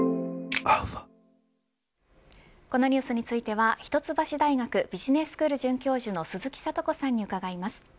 このニュースについては一橋大学ビジネススクール准教授の鈴木智子さんに伺います。